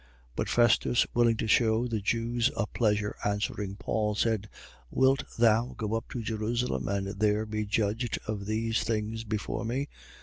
25:9. But Festus, willing to shew the Jews a pleasure, answering Paul, said: Wilt thou go up to Jerusalem and there be judged of these things before me?